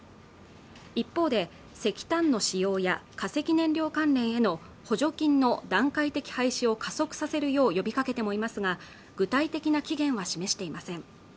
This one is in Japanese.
一方で石炭の使用や化石燃料関連の補助金の段階的廃止を加速させるよう呼びかけてもいますが具体的な期限は示されません